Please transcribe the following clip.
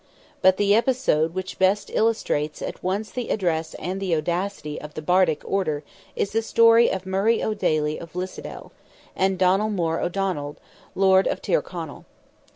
But the episode which best illustrates at once the address and the audacity of the bardic order is the story of Murray O'Daly of Lissadil, and Donnell More O'Donnell, Lord of Tyrconnell.